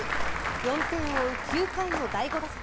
４点を追う９回の第５打席。